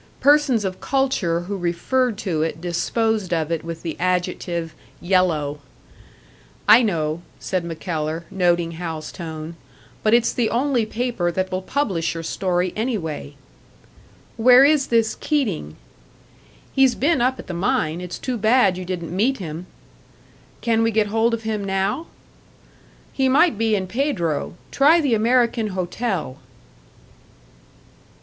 Persons of culture who referred to it disposed of it with the adjective "yellow." "I know," said MacKellar, noting Hal's tone. "But it's the only paper that will publish your story anyway." "Where is this Keating?" "He's been up at the mine. It's too bad you didn't meet him." "Can we get hold of him now?" "He might be in Pedro. Try the American Hotel."